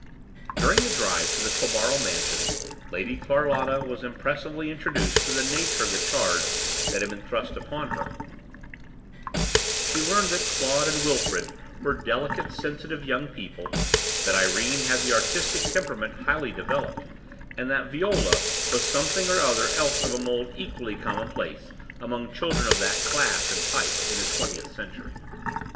During the drive to the Quabarl mansion Lady Carlotta was impressively introduced to the nature of the charge that had been thrust upon her; she learned that Claude and Wilfrid were delicate, sensitive young people, that Irene had the artistic temperament highly developed, and that Viola was something or other else of a mould equally commonplace among children of that class and type in the twentieth century.